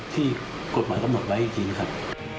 ที่กฎหมายก็หมดไปอีกทีนะครับ